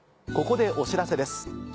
ここでお知らせです。